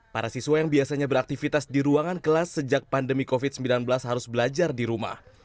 para siswa yang biasanya beraktivitas di ruangan kelas sejak pandemi covid sembilan belas harus belajar di rumah